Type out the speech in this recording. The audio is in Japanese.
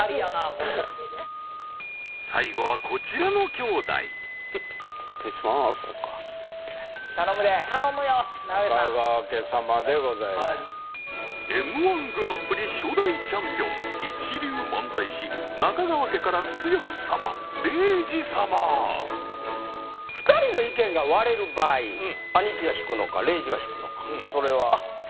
これ最後はこちらの兄弟失礼します頼むで頼むよ中川家さん中川家様でございますＭ−１グランプリ初代チャンピ一流漫才師中川家から剛様礼二様２人の意見が割れる場合兄貴が引くのか礼二が引くのか